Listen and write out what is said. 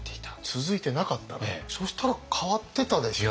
そしたら変わってたでしょうね。